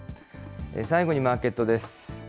最後にマーケットです。